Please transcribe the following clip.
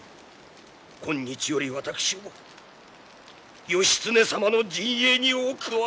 今日より私を義経様の陣営にお加えくだされ！